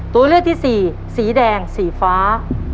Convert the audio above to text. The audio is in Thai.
ตัวเลือกที่สี่สีแดงสีฟ้า